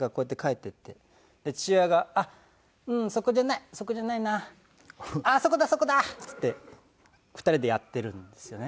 で父親が「あっそこじゃない。そこじゃないな」「あっそこだそこだ」って言って２人でやってるんですよね。